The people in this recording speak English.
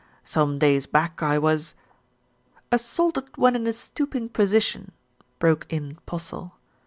"Some days back I was " "Assaulted when in a stooping position," broke in Postle.